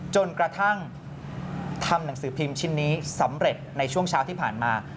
จนกระทั่งทำหนังสือพิมพ์ชิ้นนี้สำเร็จในช่วงเช้าที่ผ่านมา